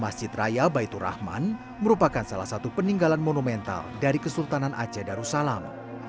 masjid raya baitur rahman merupakan salah satu peninggalan monumental dari kesultanan aceh darussalam